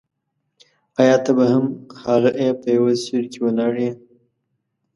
آیا ته به هم هغه یې په یو سیوري کې ولاړ یې.